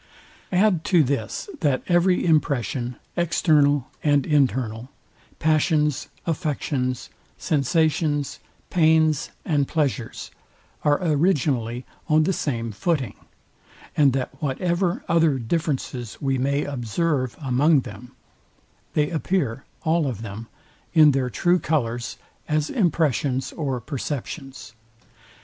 Add to this, that every impression, external and internal, passions, affections, sensations, pains and pleasures, are originally on the same footing; and that whatever other differences we may observe among them, they appear, all of them, in their true colours, as impressions or perceptions.